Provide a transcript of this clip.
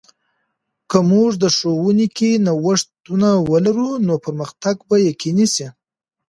که موږ د ښوونې کې نوښتونه ولرو، نو پرمختګ به یقیني سي.